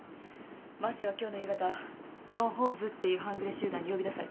升瀬は今日の夕方野放図っていう半グレ集団に呼び出されてる。